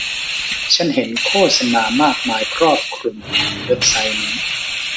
ฉันเห็นโฆษณามากมายครอบคลุมเว็บไซต์นี้